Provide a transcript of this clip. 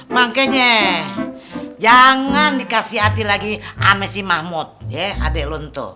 makanya jangan dikasih hati lagi sama si mahmud ya adek lo itu